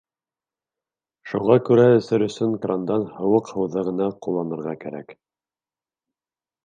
Шуға күрә эсер өсөн крандан һыуыҡ һыуҙы ғына ҡулланырға кәрәк.